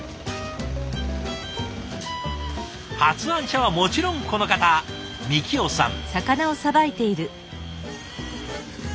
発案者はもちろんこの方樹生さん。